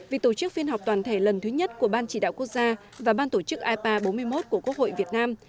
vì tổ chức phiên họp toàn thể lần thứ nhất của ban chỉ đạo quốc gia và ban tổ chức ipa bốn mươi một của quốc hội việt nam